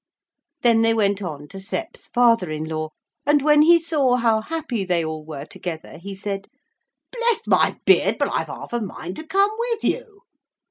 Then they went on to Sep's father in law, and when he saw how happy they all were together he said: 'Bless my beard but I've half a mind to come with you.'